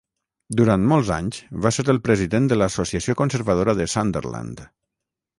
Durant molts anys va ser el president de l'Associació Conservadora de Sunderland.